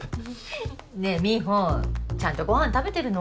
ねえ美帆ちゃんとご飯食べてるの？